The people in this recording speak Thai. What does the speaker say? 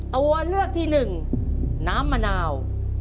ตัวเลือกที่หนึ่งน้ำมะนาว